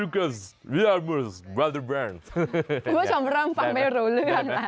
คุณผู้ชมเริ่มฟังไม่รู้เรื่องแล้ว